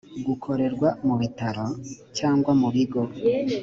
gukorerwa mu bitaro cyangwa mu bigo